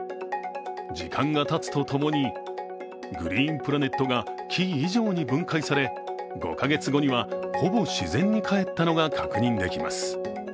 時間がたつとともに、グリーンプラネットが木以上に分解され、５か月後にはほぼ自然に還ったのが確認できます。